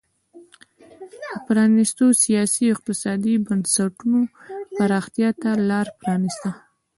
د پرانیستو سیاسي او اقتصادي بنسټونو پراختیا ته لار پرانېسته.